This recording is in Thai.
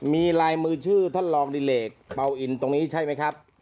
มีลายมือชื่อท่านรองดิเลกเป่าอินตรงนี้ใช่ไหมครับ